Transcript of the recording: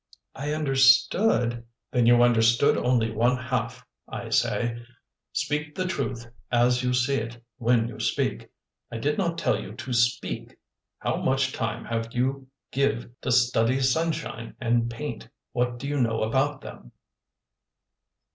"I understood " "Then you understood only one half! I say, 'Speak the truth as you see it, when you speak.' I did not tell you to speak! How much time have you give' to study sunshine and paint? What do you know about them?"